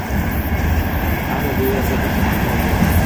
Ammo bu yerda bir «ammo» bor!